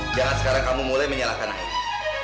jangan sekarang kamu mulai menyalahkan air